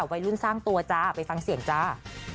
วัยรุ่นสร้างตัวจ้าไปฟังเสียงจ้า